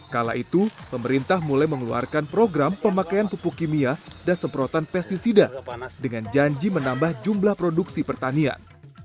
kala itu pemerintah mulai mengeluarkan program pemakaian pupuk kimia dan semprotan pesticida dengan janji menambah jumlah produksi pertanian